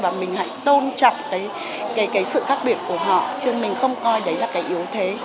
và mình hãy tôn trọng cái sự khác biệt của họ chứ mình không coi đấy là cái yếu thế